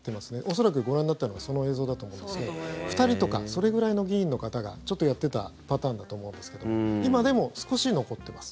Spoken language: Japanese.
恐らくご覧になったのはその映像だと思うんですけど２人とかそれぐらいの議員の方がちょっとやってたパターンだと思うんですけど今でも少し残ってます。